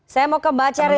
saya mau ke mbak ceril dulu